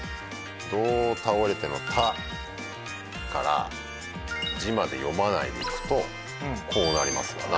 「どうたおれて」の「た」から「じ」まで読まないで行くとこうなりますわな。